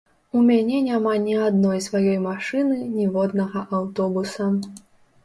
У мяне няма ні адной сваёй машыны, ніводнага аўтобуса.